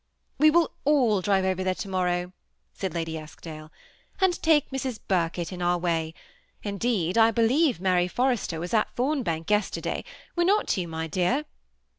^We will all drive over there to morrow," said Ladj Elskdale, *^aiid take Mrs. Birkett in oar waj: indeed, I believe Maiy Forrester was at Thombank yesterday; were not joo, mj dear?"